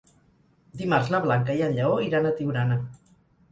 Dimarts na Blanca i en Lleó iran a Tiurana.